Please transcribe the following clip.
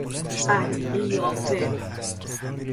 بد قیافه